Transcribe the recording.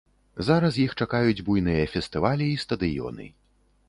Зараз іх чакаюць буйныя фестывалі і стадыёны.